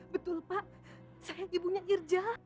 betul pak saya ibunya irja